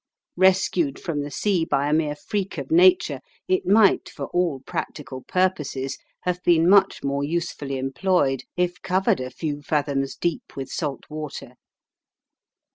Rescued from the sea by a mere freak of nature, it might, for all practical purposes, have been much more usefully employed if covered a few fathoms deep with salt water.